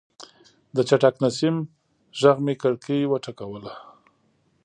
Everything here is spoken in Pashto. د چټک نسیم غږ مې کړکۍ وټکوله.